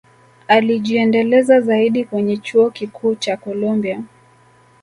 alijiendeleza zaidi kwenye chuo Kikuu cha colombia